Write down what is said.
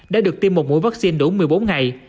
đã được tiêm một mũi vaccine đủ một mươi bốn ngày